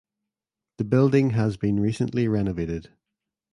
The building has been recently renovated.